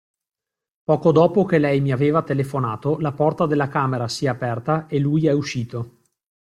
Poco dopo che lei mi aveva telefonato, la porta della camera si è aperta e lui è uscito.